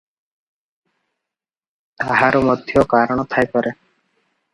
ତାହାର ମଧ୍ୟ କାରଣ ଥାଇପାରେ ।